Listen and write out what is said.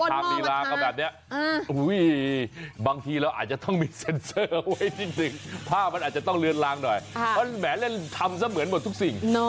แล้วไอ้สีดำจะเอามาจากไหน